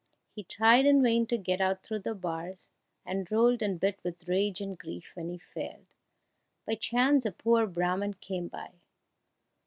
He tried in vain to get out through the bars, and rolled and bit with rage and grief when he failed. By chance a poor Brahman came by.